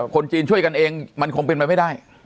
คนจีนช่วยกันเองมันคงเป็นไปไม่ได้